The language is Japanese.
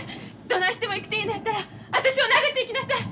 どないしても行くというのやったら私を殴って行きなさい！